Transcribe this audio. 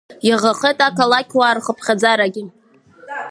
Иаӷахеит ақалақьуаа рхыԥхьаӡарагьы.